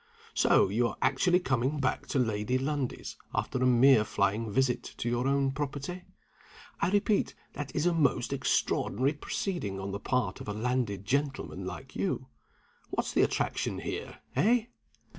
So you are actually coming back to Lady Lundie's after a mere flying visit to your own property? I repeat, that is a most extraordinary proceeding on the part of a landed gentleman like you. What's the attraction here eh?"